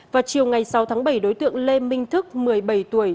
vào chiều ngày sáu tháng bảy đối tượng lê minh thức một mươi bảy tuổi